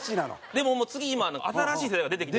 でももう次今新しい世代が出てきてる。